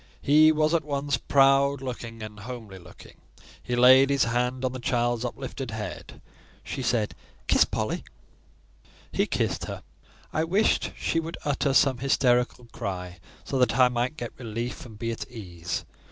He was at once proud looking and homely looking. He laid his hand on the child's uplifted head. She said—"Kiss Polly." He kissed her. I wished she would utter some hysterical cry, so that I might get relief and be at ease.